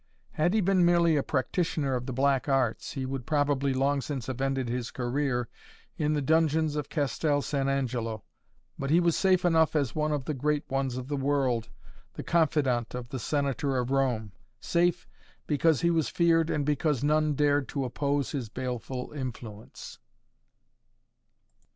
Had he been merely a practitioner of the Black Arts he would probably long since have ended his career in the dungeons of Castel San Angelo. But he was safe enough as one of the great ones of the world, the confidant of the Senator of Rome; safe, because he was feared and because none dared to oppose his baleful influence.